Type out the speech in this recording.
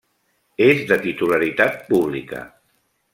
És de titularitat pública.